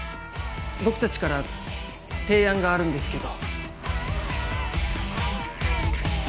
僕たちから提案があるんですけど。